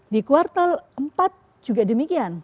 di kuartal empat juga demikian